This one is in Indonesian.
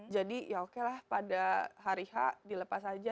jadi ya okelah pada hari h dilepas aja